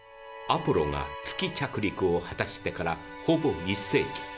アポロが月着陸を果たしてからほぼ１世紀。